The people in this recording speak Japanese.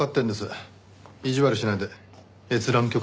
意地悪しないで閲覧許可ください。